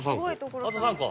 あと３個。